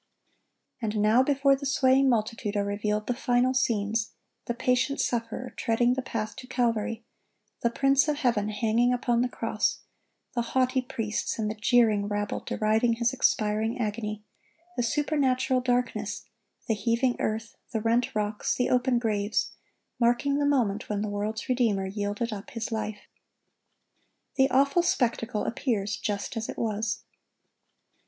And now before the swaying multitude are revealed the final scenes,—the patient Sufferer treading the path to Calvary; the Prince of heaven hanging upon the cross; the haughty priests and the jeering rabble deriding His expiring agony; the supernatural darkness; the heaving earth, the rent rocks, the open graves, marking the moment when the world's Redeemer yielded up His life. The awful spectacle appears just as it was.